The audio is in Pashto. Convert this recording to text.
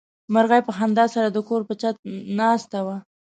مرغۍ په خندا سره د کور په چت کې ناسته وه.